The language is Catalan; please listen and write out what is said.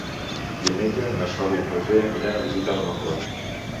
Diumenge na Sol i en Roger aniran a visitar mon oncle.